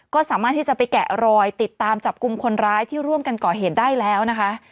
ก็สามารถที่จะไปแกะรอยติดตามจับกลุ่มคนร้ายที่ร่วมกันก่อเหตุได้แล้วนะคะ